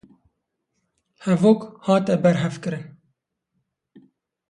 Hevok hate berhevkirin